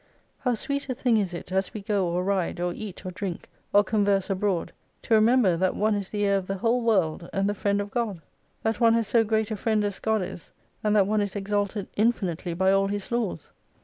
How sweet a thing is it as we go or ride, or eat or drink, or converse abroad to remember that one is the heir of the whole world, and the friend of God ! That one has so great a friend as God is : and that one is exalted infinitely by all His Laws